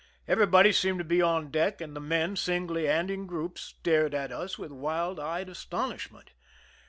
Everybody seemed to be on deck, and the men, singly and in groups, stared at us with wild eyed astonishment.